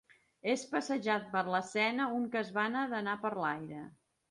És passejat per l'escena un que es vana d'anar per l'aire.